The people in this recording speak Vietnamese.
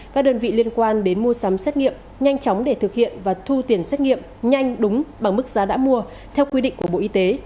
các đơn vị liên quan đến mua sắm xét nghiệm nhanh chóng để thực hiện và thu tiền xét nghiệm nhanh đúng bằng mức giá đã mua theo quy định của bộ y tế